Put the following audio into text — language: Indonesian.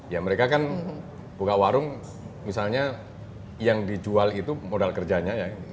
ya mereka kan buka warung misalnya yang dijual itu modal kerjanya